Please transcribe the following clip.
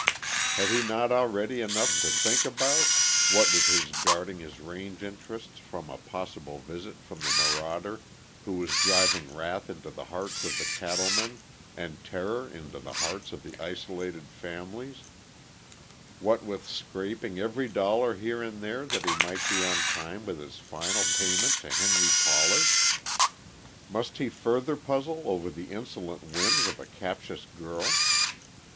Had he not already enough to think about, what with guarding his range interests from a possible visit from the marauder who was driving wrath into the hearts of the cattle men and terror into the hearts of the isolated families, what with scraping every dollar here and there that he might be on time with his final payment to Henry Pollard? Must he further puzzle over the insolent whims of a captious girl?